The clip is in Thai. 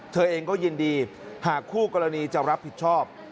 เธอเองก็ยินดีหากคู่กรณีจะรับผิดชอบ